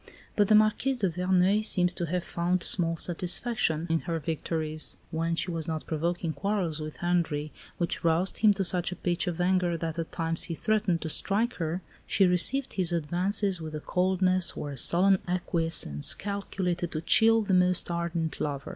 But the Marquise de Verneuil seems to have found small satisfaction in her victories. When she was not provoking quarrels with Henri, which roused him to such a pitch of anger that at times he threatened to strike her, she received his advances with a coldness or a sullen acquiescence calculated to chill the most ardent lover.